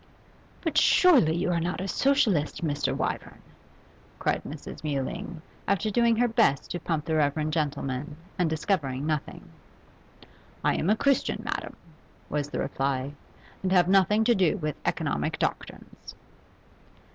'But surely you are not a Socialist, Mr. Wyvern?' cried Mrs. Mewling, after doing her best to pump the reverend gentleman, and discovering nothing. 'I am a Christian, madam,' was the reply, 'and have nothing to do with economic doctrines.